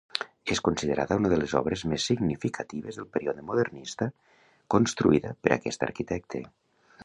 És considerada una de les obres més significatives del període modernista construïda per aquest arquitecte.